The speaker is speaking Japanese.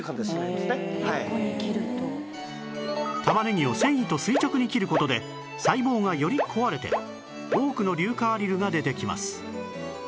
玉ねぎを繊維と垂直に切る事で細胞がより壊れて多くの硫化アリルが出てきます